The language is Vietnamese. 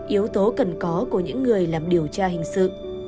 yếu tố cần có của những người làm điều tra hình sự